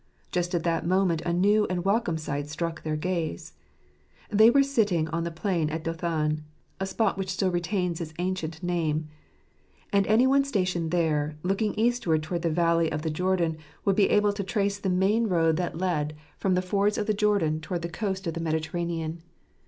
Just at that moment a new and welcome sight struck their gaze. They were sitting on the plain at Dothan, a spot which still retains its ancient name ; and any one stationed there, and looking eastward towards the valley of the Jordan, would be able to trace the main road that led "Cbrotttj trf filter/' 27 from the fords of the Jordan towards the coast of the Mediterranean.